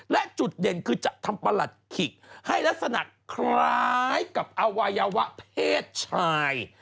และจุดเด่นคือจะทำประหลัดขิกให้ลักษณะคล้ายกับอวัยวะเพศชาย